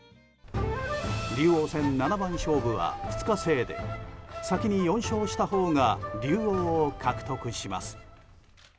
竜王戦七番勝負は２日制で先に４勝したほうが竜王と獲得します。